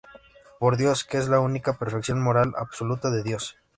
Por Dios, que es la única perfección moral absoluta de Dios.